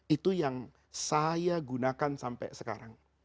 itu yang saya gunakan sampai sekarang